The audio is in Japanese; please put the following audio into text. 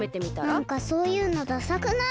なんかそういうのダサくない？